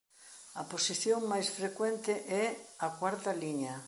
A posición máis frecuente é a cuarta liña.